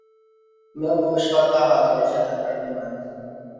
مەن بۇ ئىشقا تا ھازىرغىچە نەپرەتلىنىمەن.